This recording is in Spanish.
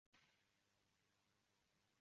Joyas en la placa central, no son necesarias.